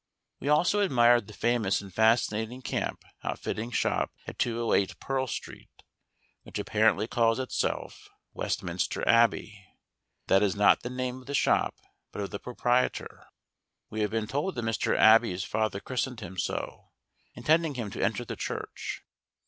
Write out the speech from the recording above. We also admired the famous and fascinating camp outfitting shop at 208 Pearl Street, which apparently calls itself WESTMINSTER ABBEY: but that is not the name of the shop but of the proprietor. We have been told that Mr. Abbey's father christened him so, intending him to enter the church.